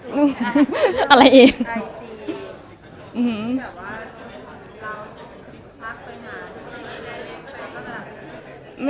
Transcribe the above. หนึ่งอย่างไรนะ